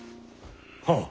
はあ。